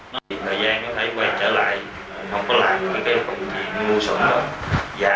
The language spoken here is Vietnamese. nói về thời gian nó thấy quay trở lại nó không có làm những cái công việc ngu xuẩn đâu